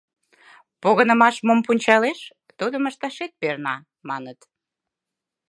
Погынымаш мом пунчалеш, тудым ышташет перна, — маныт.